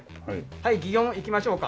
はい擬音いきましょうか。